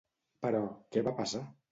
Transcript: Però, què va passar?